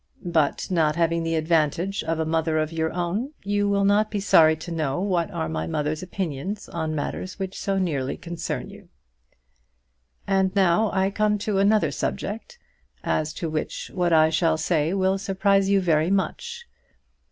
But not having the advantage of a mother of your own, you will not be sorry to know what are my mother's opinions on matters which so nearly concern you. And now I come to another subject, as to which what I shall say will surprise you very much.